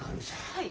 はい。